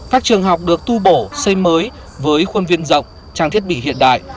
các trường học được tu bổ xây mới với khuôn viên rộng trang thiết bị hiện đại